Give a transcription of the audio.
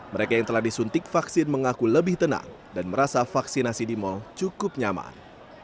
mereka yang telah disuntik vaksin mengaku lebih tenang dan merasa vaksinasi di mal cukup nyaman